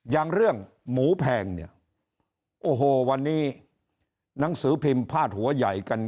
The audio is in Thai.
อย่างเรื่องหมูแพงวันนี้หนังสือพิมพ์พลาดหัวใหญ่กัน